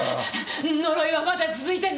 呪いはまだ続いてんの？